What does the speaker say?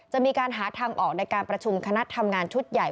จะมีการหาทางออกในการประชุมคณะทำงานชุดใหญ่